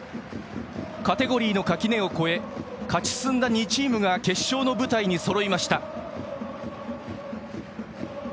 カテゴリーの垣根を越え勝ち進んだ２チームが決勝の舞台にそろいました。